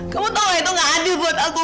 kamu tau gak itu gak adil buat aku